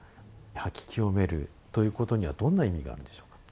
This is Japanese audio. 掃き清めるということにはどんな意味があるんでしょうか？